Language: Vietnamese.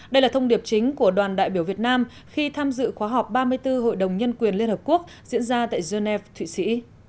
đây là thông điệp chính của đoàn đại biểu việt nam khi tham dự khóa họp ba mươi bốn hội đồng nhân quyền liên hợp quốc diễn ra tại geneva thụy sĩ